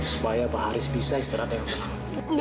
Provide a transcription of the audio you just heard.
supaya pak haris bisa istirahatnya